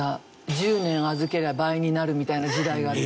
１０年預ければ倍になるみたいな時代がありました。